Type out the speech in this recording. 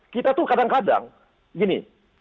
kita tuh kadang kadang gini